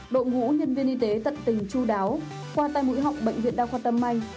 đội ngũ nhân viên y tế tận tình chú đáo khoa tay mũi họng bệnh viện đa khoa tâm anh